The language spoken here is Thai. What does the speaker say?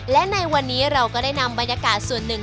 และในวันนี้เราก็ได้นำบรรยากาศส่วนหนึ่ง